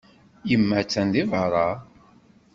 Yemma attan deg beṛṛa.